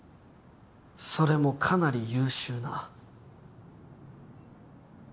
それもかなり優秀な。